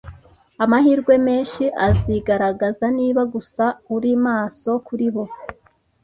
Amahirwe menshi azigaragaza, niba gusa uri maso kuri bo